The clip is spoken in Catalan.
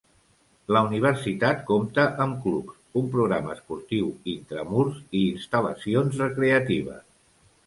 La universitat compta amb clubs, un programa esportiu intramurs i instal·lacions recreatives.